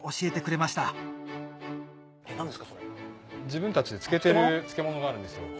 自分たちで漬けてる漬物があるんですよ。